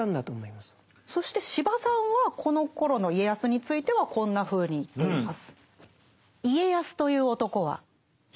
そして司馬さんはこのころの家康についてはこんなふうに言っています。